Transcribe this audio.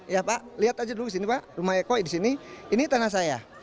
ya pak lihat aja dulu di sini pak rumah eko di sini ini tanah saya